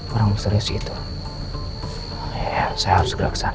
orang serius itu ya saya harus segera kesana